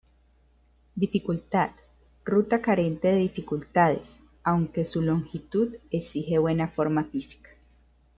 Dificultad: Ruta carente de dificultades, aunque su longitud exige buena forma física.